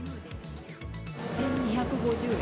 １２５０円。